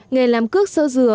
nghề làm cước sơ dừa